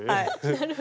なるほど。